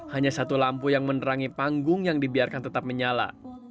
hanya satu lampu yang menerangi panggung yang dibiarkan tetap menyala